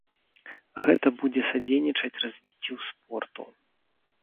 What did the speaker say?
Гэта будзе садзейнічаць развіццю спорту.